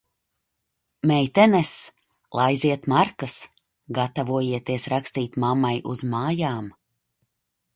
Meitenes, laiziet markas, gatavojieties rakstīt mammai uz mājām!